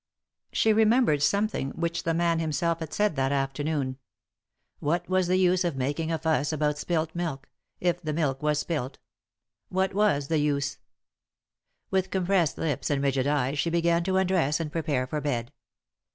She remembered something which the man him self had said that afternoon. What was the use of making a fuss about spilt milk— if the milk was spilt ? What was the use ? With compressed lips and rigid eyes she began to undress, and prepare for bed.